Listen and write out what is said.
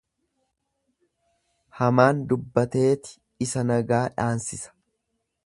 Hamaan dubbateeti isa nagaa dhaansisa.